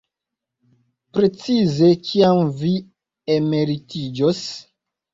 Precize kiam vi emeritiĝos?